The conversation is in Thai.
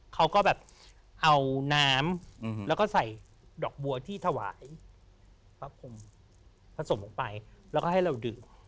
เขาก็แบบเอาน้ำแล้วก็ใส่ดอกบัวที่ถวายพระพรมผสมลงไปแล้วก็ให้เราดื่ม